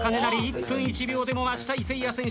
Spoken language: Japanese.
１分１秒でも待ちたいせいや選手。